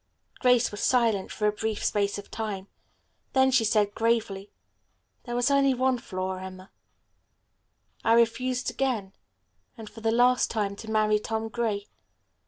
Grace was silent for a brief space of time. Then she said gravely, "There was only one flaw, Emma. I refused again, and for the last time, to marry Tom Gray.